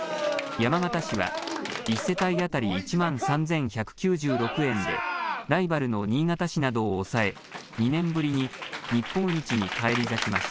山形市は１世帯当たり１万３１９６円でライバルの新潟市などを抑え、２年ぶりに日本一に返り咲きました。